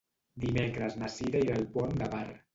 Dimecres na Cira irà al Pont de Bar.